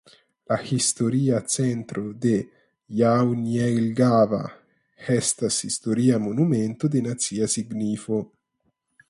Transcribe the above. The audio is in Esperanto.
La historia centro de Jaunjelgava estas historia monumento de nacia signifo.